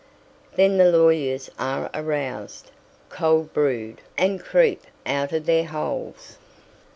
Then the lawyers are aroused cold brood and creep out of their holes.